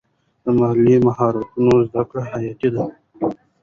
د مالي مهارتونو زده کړه حیاتي ده.